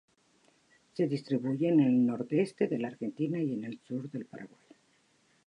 Se distribuye en el nordeste de la Argentina y en el sur del Paraguay.